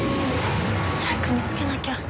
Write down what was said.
早く見つけなきゃ。